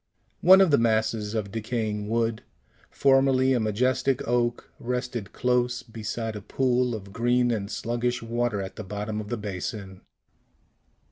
One of these masses of decaying wood, formerly a majestic oak, rested close beside a pool of green and sluggish water at the bottom of the basin.